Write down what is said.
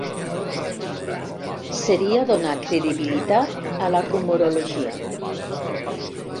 Seria donar credibilitat a la rumorologia.